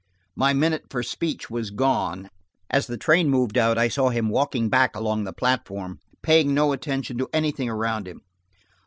My minute for speech was gone. As the train moved out I saw him walking back along the platform, paying no attention to anything around him.